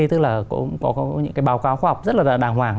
tức là cũng có những cái báo cáo khoa học rất là đàng hoàng